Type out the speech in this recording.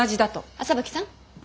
麻吹さん。